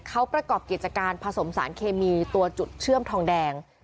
เขาประกอบกิจการผสมสารเคมีตัวจุดเชื่อมทองแดง